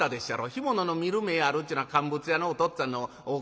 干物の見る目あるっちゅうのは乾物屋のおとっつぁんのおかげですわええ。